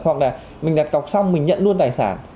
hoặc là mình đặt cọc xong mình nhận luôn tài sản